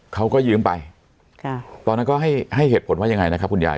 เขาก็ยืมไปค่ะตอนนั้นก็ให้ให้เหตุผลว่ายังไงนะครับคุณยาย